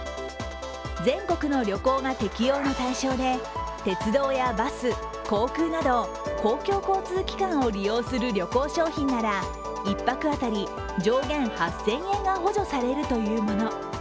全国の旅行が適用の対象で鉄道やバス、航空など公共交通機関を利用する旅行商品なら１泊当たり上限８０００円が補助されるというもの。